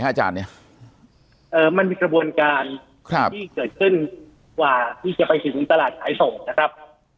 ห้าจานเนี้ยเอ่อมันมีกระบวนการครับที่เกิดขึ้นกว่าที่จะไปถึงตลาดสายส่งนะครับ